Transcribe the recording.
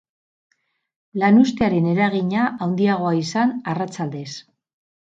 Lanuztearen eragina handiagoa izan arratsaldez.